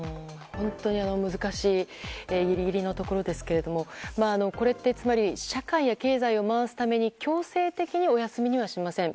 本当に難しいギリギリのところですけれどもこれって、つまり社会や経済を回すために強制的にお休みにはしません。